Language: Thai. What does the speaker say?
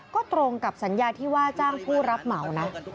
ก็ตรงกับสัญญาที่ว่าจ้างผู้รับเหมานะ